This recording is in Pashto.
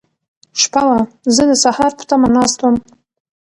شپه وه، زه د سهار په تمه ناست وم.